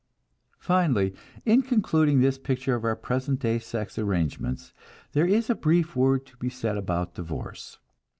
Finally, in concluding this picture of our present day sex arrangements, there is a brief word to be said about divorce.